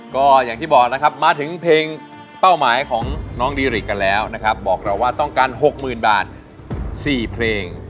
ก็อย่างที่บอกนะครับมาถึงเพลงเป้าหมายของน้องดีริกกันแล้วนะครับบอกเราว่าต้องการ๖๐๐๐บาท๔เพลง